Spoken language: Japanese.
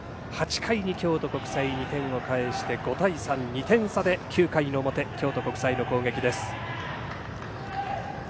８回に京都国際、２点を返して５対３と２点差で９回の表京都国際の攻撃です。